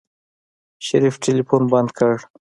شريف ټلفون بند کړ.